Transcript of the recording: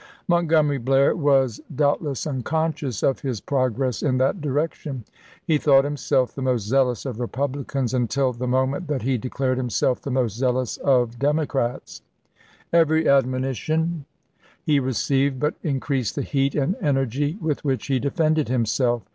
Montgomery Blair was doubt less unconscious of his progress in that direction. He thought himself the most zealous of Republi cans until the moment that he declared himself the most zealous of Democrats. Every admonition he received but increased the heat and energy with which he defended himself.